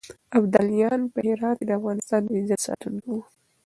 ابدالیان په هرات کې د افغانستان د عزت ساتونکي وو.